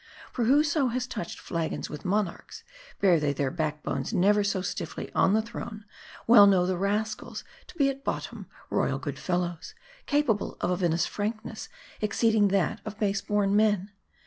For whoso has touched flagons with monarchs, bear they their back bones never so stiffly on the throne, well know the rascals, to be at bottom royal good fellows ; capable of a vinous frankness exceeding that of base born men.